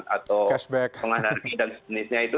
atau pengadar bi dan sejenisnya itu